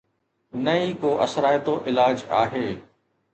نه ئي ڪو اثرائتو علاج آهي